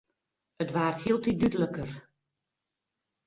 It waard hieltiten dúdliker.